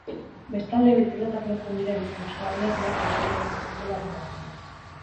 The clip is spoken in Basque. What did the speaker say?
Bestalde, bizikletak lotzen diren euskarriak ere konpondu egin behar direla adierazi du.